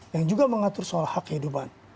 yang juga mengatur soal hak kehidupan